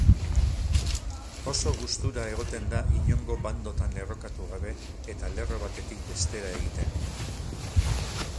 Oso gustura egoten da inongo bandotan lerrokatu gabe eta lerro batetik bestera egiten.